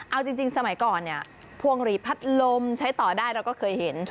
เอาจริงสมัยก่อนเนี่ยพวงหลีพัดลมใช้ต่อได้เราก็เคยเห็น